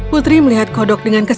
putri melihat kodok dengan keselu